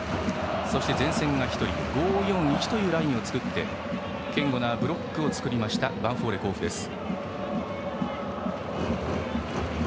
そして、前線が１人５−４−１というラインを作って堅固なブロックを作ったヴァンフォーレ甲府です。